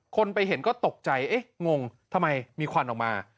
คนไปเห็นก็ตกใจเอ๊ะงงทำไมมีควันออกมา